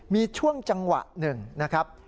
มีช่วงจังหวะหนึ่งนะครับ